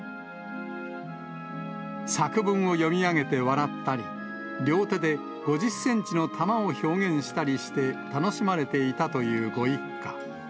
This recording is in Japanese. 作文を読み上げて笑ったり、両手で５０センチの玉を表現したりして、楽しまれていたというご一家。